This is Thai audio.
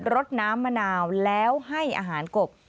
รดน้ำมะนาวแล้วให้อาหารกบ